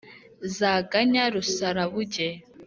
zaganya rusarabuge.